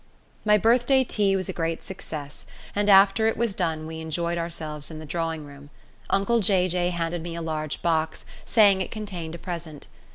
My birthday tea was a great success, and after it was done we enjoyed ourselves in the drawing room. Uncle Jay Jay handed me a large box, saying it contained a present.